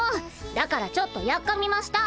だからちょっとやっかみました。